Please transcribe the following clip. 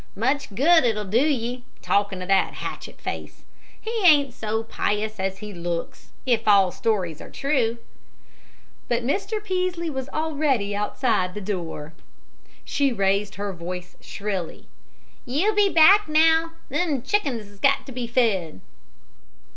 "Much good it'll do ye, talkin' to that hatchet face. He ain't so pious as he looks, if all stories are true." But Mr. Peaslee was already outside the door. She raised her voice shrilly. "You be back, now; them chickens has got to be fed!"